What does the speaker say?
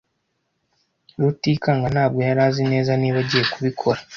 Rutikanga ntabwo yari azi neza niba agiye kubikora.